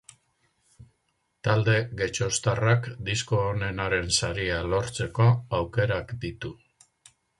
Talde getxoztarrak disko onenaren saria lortzeko aukerak ditu.